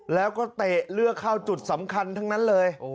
แล้วก็เตะเลือดเข้าจุดสำคัญทั้งนั้นเลย